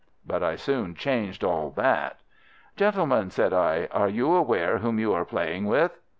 But I soon changed all that. "'Gentlemen,' said I, 'are you aware whom you are playing with?